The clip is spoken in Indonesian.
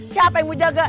siapa yang mau jaga